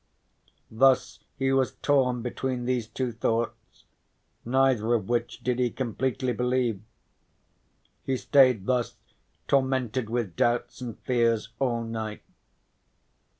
Thus he was torn between these two thoughts, neither of which did he completely believe. He stayed thus tormented with doubts and fears all night.